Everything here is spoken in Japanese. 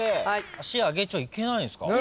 足上げちゃいけないんですか？